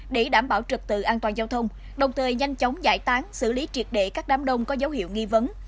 để đảm bảo trực tự an toàn giao thông đồng thời nhanh chóng giải tán xử lý triệt đệ các đám đông có dấu hiệu nghi vấn